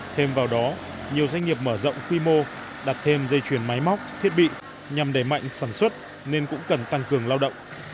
thêm vào đó nhiều doanh nghiệp mở rộng quy mô đặt thêm dây chuyển máy móc thiết bị nhằm đẩy mạnh sản xuất nên cũng cần tăng cường lao động